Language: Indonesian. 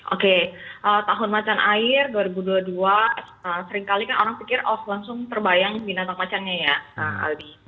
oke tahun macan air dua ribu dua puluh dua seringkali kan orang pikir off langsung terbayang binatang macannya ya albi